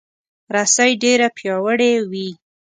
رسۍ ډیره پیاوړې وي.